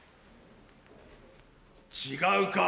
違うかぁ。